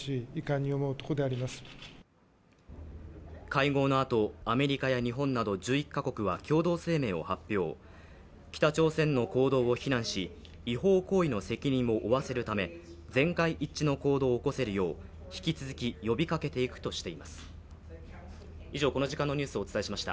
会合のあと、アメリカや日本など１１か国は共同声明を発表、北朝鮮の行動を非難し違法行為の責任を負わせるため全会一致の行動を起こせるよう引き続き呼びかけていくとしています。